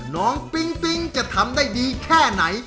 ปิ๊งปิ๊งจะทำได้ดีแค่ไหน